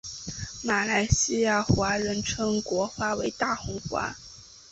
马来西亚华人称国花为大红花。